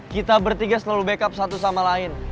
kita bertiga selalu backup satu sama lain